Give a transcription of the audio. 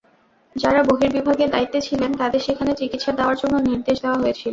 যাঁরা বহির্বিভাগে দায়িত্বে ছিলেন, তাঁদের সেখানে চিকিৎসা দেওয়ার জন্য নির্দেশ দেওয়া হয়েছিল।